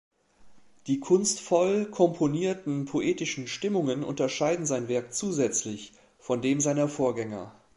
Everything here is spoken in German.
Die kunstvoll komponierten poetischen Stimmungen unterscheiden sein Werk zusätzlich von dem seiner Vorgänger.